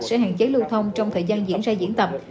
sẽ hạn chế lưu thông trong thời gian diễn ra diễn tập